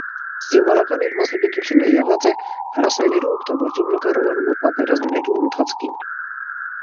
Զինուորական իր մասնագիտութիւնը եղած է հրասայլերու օգտագործումն ու կառավարումը պատերազմներու ընթացքին։